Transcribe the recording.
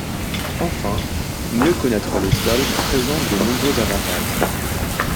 Enfin mieux connaître les sols présente de nombreux avantages.